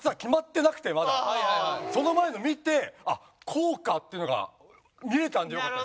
その前の見てあっこうかっていうのが見れたんでよかったです。